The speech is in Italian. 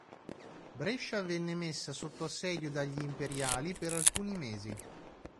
Brescia venne messa sotto assedio dagli imperiali per alcuni mesi.